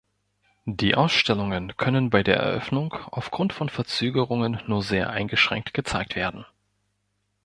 Die Ausstellungen können bei der Eröffnung aufgrund von Verzögerungen nur sehr eingeschränkt gezeigt werden.